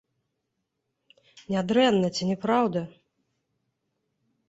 Нядрэнна, ці не праўда?